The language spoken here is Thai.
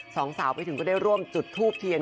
สองสาวไปถึงก็ได้ร่วมจุดทูบเทียน